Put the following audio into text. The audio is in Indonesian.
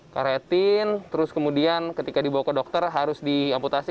karetin terus kemudian ketika dibawa ke dokter harus diamputasi